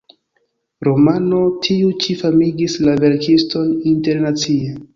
Romano tiu ĉi famigis la verkiston internacie.